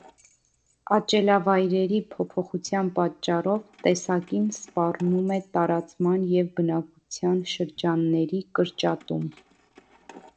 Աճելավայրերի փոփոխության պատճառով տեսակին սպառնում է տարածման և բնակության շրջանների կրճատում։